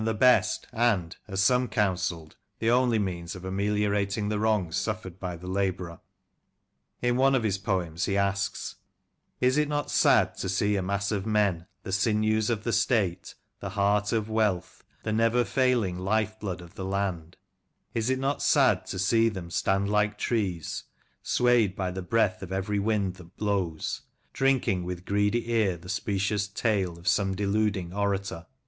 5 the best, and, as some counselled, the only means of ameli* orating the wrongs suffered by the labourer. In one of his poems he asks —" Is it not sad to see a mass of men — The sinews of the State — the heart of wealth— The never failing life blood of the land — Is it not sad to see them stand like trees Swayed by the breath of every wind that blows ; Drinking with greedy ear the specious tale Of some deluding orator